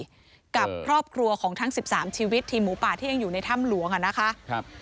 กับครอบครัวของทั้ง๑๓ชีวิตทีมหมูป่าที่ยังอยู่ในถ้ำหลวงอ่ะนะคะครับ